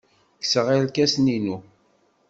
Kkseɣ irkasen-inu.